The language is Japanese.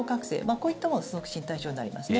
こういったものが身体上なりますね。